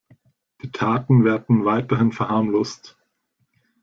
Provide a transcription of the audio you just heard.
Die Taten werden weiterhin verharmlost.